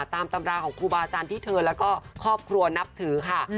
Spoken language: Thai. ตามตำราของครูบาอาจารย์ที่เธอแล้วก็ครอบครัวนับถือค่ะ